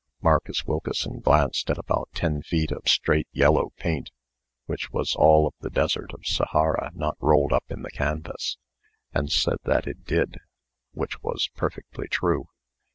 Marcus Wilkeson glanced at about ten feet of straight yellow paint (which was all of the desert of Sahara not rolled up in the canvas), and said that it did which was perfectly true.